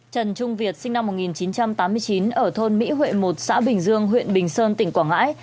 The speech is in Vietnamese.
trần trung việt sinh năm một nghìn chín trăm tám mươi chín ở thôn mỹ huệ một xã bình dương huyện bình sơn tỉnh quảng ngãi